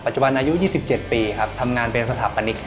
จุบันอายุ๒๗ปีครับทำงานเป็นสถาปนิก